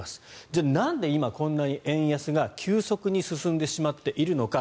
じゃあ、なんで今こんなに円安が急速に進んでしまっているのか。